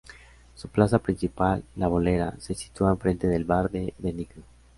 Su plaza principal, "La bolera", se sitúa enfrente del bar de Benigna.